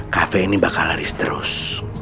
kafe ini bakal laris terus